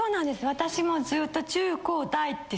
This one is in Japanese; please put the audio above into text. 私もずっと。